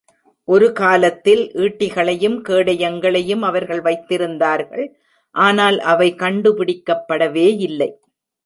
ஒரு காலத்தில், ஈட்டிகளையும் கேடயங்களையும் அவர்கள் வைத்திருந்தார்கள், ஆனால் அவை கண்டுபிடிக்கப்படவேயில்லை.